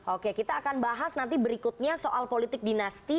oke kita akan bahas nanti berikutnya soal politik dinasti